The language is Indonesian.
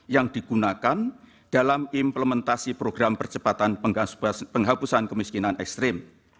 yang digunakan dalam implementasi program percepatan penghapusan kemiskinan ekstrim